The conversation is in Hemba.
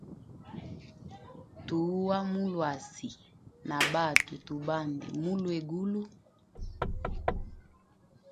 Tua mu luasi, na batwe tu bande mulwegulu.